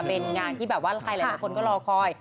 เป็นงานที่แบบว่าใครหลายคนก็รอคอย